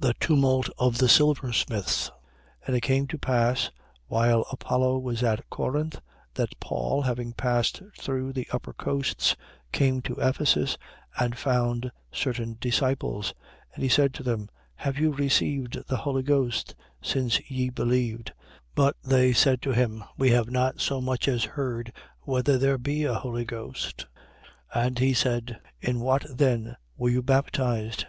The tumult of the silversmiths. 19:1. And it came to pass, while Apollo was at Corinth, that Paul, having passed through the upper coasts, came to Ephesus and found certain disciples. 19:2. And he said to them: Have you received the Holy Ghost since ye believed? But they said to him: We have not so much as heard whether there be a Holy Ghost. 19:3. And he said: In what then were you baptized?